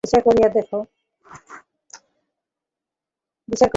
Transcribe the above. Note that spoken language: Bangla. বিচার করিয়াও দেখা গেল যে, মন কখনও মানুষের আত্মা হইতে পারে না।